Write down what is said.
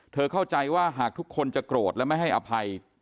เข้าใจว่าหากทุกคนจะโกรธและไม่ให้อภัย